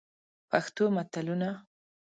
پښتو متلونه: